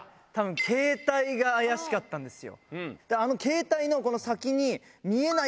ケータイが怪しかったんですよ。